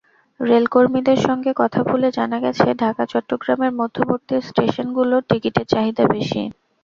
রেলকর্মীদের সঙ্গে কথা বলে জানা গেছে, ঢাকা-চট্টগ্রামের মধ্যবর্তী স্টেশনগুলোর টিকিটের চাহিদা বেশি।